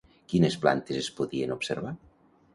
Quines plantes es podien observar?